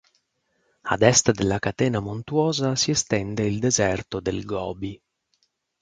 Ad est della catena montuosa si estende il deserto del Gobi.